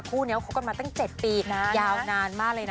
คู่นี้ครบกันมาทำ๗ปียาวนานมากเลยนะบอก